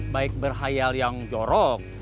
baik berhayal yang jorok